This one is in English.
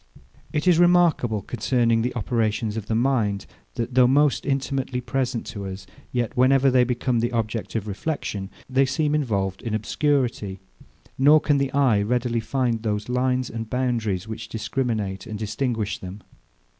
It is remarkable concerning the operations of the mind, that, though most intimately present to us, yet, whenever they become the object of reflexion, they seem involved in obscurity; nor can the eye readily find those lines and boundaries, which discriminate and distinguish them.